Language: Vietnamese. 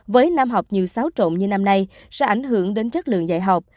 với năm học nhiều xáo trộn như năm nay sẽ ảnh hưởng đến chất lượng dạy học